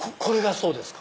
そうですか。